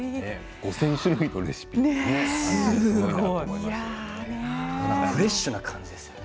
５０００種類のレシピすごいですね。